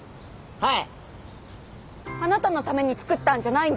はい！